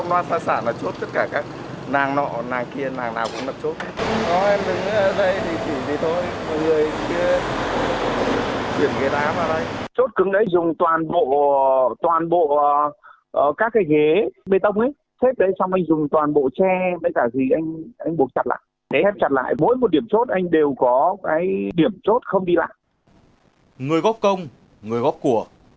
người góp công người góp của